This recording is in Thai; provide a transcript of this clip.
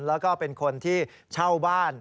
แล้วก็เป็นคนที่เช่าบ้าน